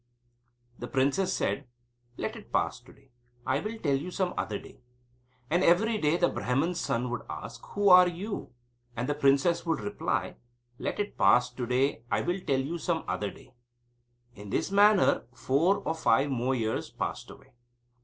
The princess said: "Let it pass to day. I will tell you some other day." And every day the Brahman's son would ask; "Who are you?" and the princess would reply: "Let it pass to day. I will tell you some other day." In this manner four or five more years passed away.